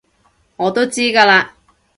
我都知㗎喇